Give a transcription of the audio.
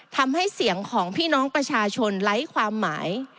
ทำให้เสียงของพี่น้องประชาชนไร้ความหมาย